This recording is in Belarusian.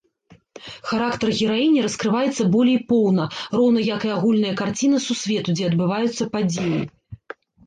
Характар гераіні раскрываецца болей поўна, роўна як і агульная карціна сусвету, дзе адбываюцца падзеі.